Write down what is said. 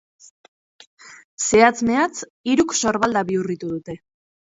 Zehatz-mehatz, hiruk sorbalda bihurritu dute.